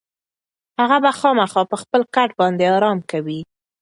هغه به خامخا پر خپل کټ باندې ارام کوي.